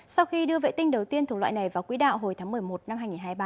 sau khi đưa vệ tinh đầu tiên thủ loại này vào quỹ đạo hồi tháng một mươi một năm hai nghìn hai mươi ba